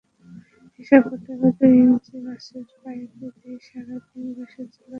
এসব হোটেলে দুই ইঞ্চি ব্যাসের পাইপ দিয়ে সারা দিন গ্যাসের চুলা জ্বলে।